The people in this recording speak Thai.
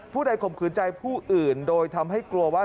ใดข่มขืนใจผู้อื่นโดยทำให้กลัวว่า